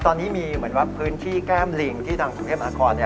ตอนนี้มีเหมือนว่าพื้นที่แก้มลิงที่ทางกรุงเทพมหาคอน